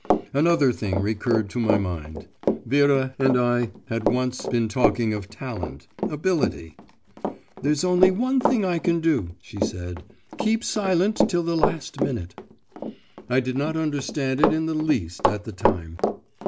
Another thing recurred to my mind; Vera and I had once been talking of talent, ability. 'There's only one thing I can do,' she said; 'keep silent till the last minute.' I did not understand it in the least at the time.